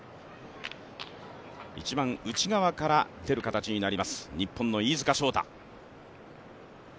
一番内側から出る形になります、日本の飯塚翔太。